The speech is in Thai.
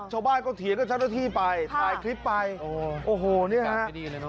ชาวบ้านก็เถียงกับเจ้าหน้าที่ไปถ่ายคลิปไปโอ้โหนี่ฮะ